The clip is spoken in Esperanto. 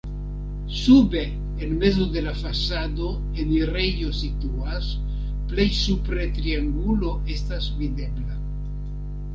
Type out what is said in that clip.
Sube en mezo de la fasado enirejo situas, plej supre triangulo estas videbla.